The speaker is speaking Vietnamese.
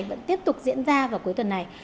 vẫn tiếp tục diễn ra vào cuối tuần này